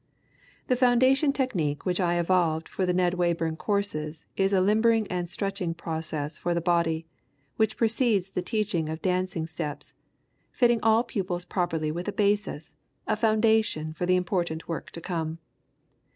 ] The foundation technique which I evolved for the Ned Wayburn courses is a limbering and stretching process for the body, which precedes the teaching of dancing steps, fitting all pupils properly with a basis, a foundation for the important work to come.